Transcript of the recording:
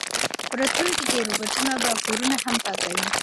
په راتلونکي کې روبوټونه به کورونه هم پاکوي.